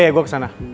iya gue kesana